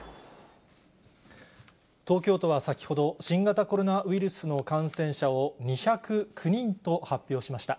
東京都は先ほど、新型コロナウイルスの感染者を２０９人と発表しました。